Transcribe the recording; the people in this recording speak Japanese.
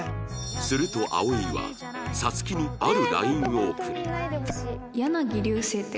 すると葵は皐月にある ＬＩＮＥ を送る